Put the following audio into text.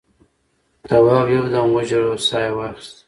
تواب یو دم وژړل او سا یې واخیسته.